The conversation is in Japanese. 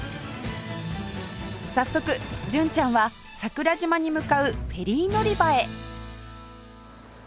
早速純ちゃんは桜島に向かうフェリー乗り場へ